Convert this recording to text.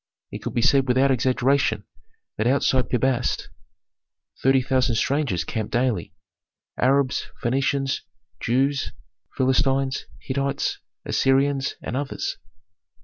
It could be said without exaggeration that outside Pi Bast thirty thousand strangers camped daily, Arabs, Phœnicians, Jews, Philistines, Hittites, Assyrians, and others.